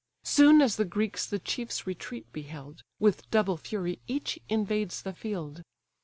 Soon as the Greeks the chief's retreat beheld, With double fury each invades the field.